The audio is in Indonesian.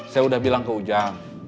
saya udah bilang ke ujang